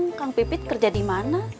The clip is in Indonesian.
kang pipit kerja di mana